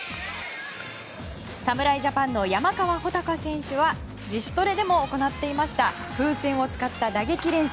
侍ジャパンの山川穂高選手は自主トレでも行っていた風船を使った打撃練習。